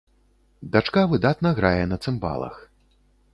Дачка выдатна грае на цымбалах.